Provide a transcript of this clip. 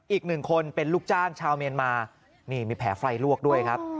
อีกหนึ่งคนเป็นลูกจ้างชาวเมียนมานี่มีแผลไฟลวกด้วยครับ